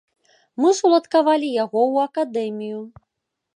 Мы ж уладкавалі яго ў акадэмію.